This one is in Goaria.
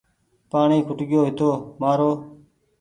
پآڻيٚ کٽگيو هيتومآرو